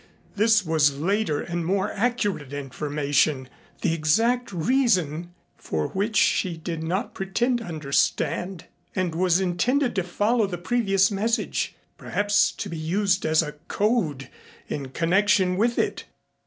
This was later and more accurate information the exact reason for which she did not pretend to understand and was intended to follow the previous message perhaps to be used as a code in connection with it.